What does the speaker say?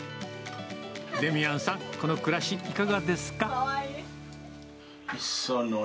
デミアンさん、この暮らし、いかがですか？